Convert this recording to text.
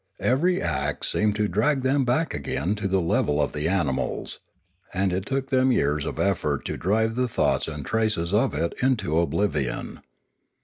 Every act seemed to drag them back again to the level of the animals, and it took them years of effort to drive the thoughts and traces of it into oblivion.